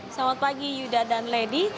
selamat pagi yuda dan lady